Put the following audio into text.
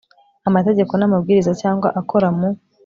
amategeko n amabwiriza cyangwa akora mu